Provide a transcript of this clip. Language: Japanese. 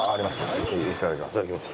いただきます。